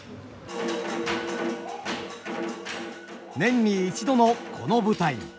年に一度のこの舞台。